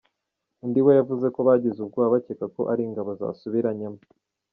Undi we yavuze ko bagize ubwoba bakeka ko ari ingabo zasubiranyemo.